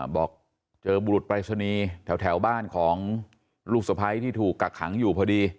บอกเจอบุรุษปรายศนีย์แถวบ้านของลูกสะพ้ายที่ถูกกักขังอยู่พอดี